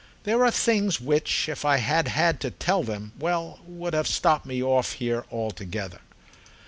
There are things which if I had had to tell them—well, would have stopped me off here altogether.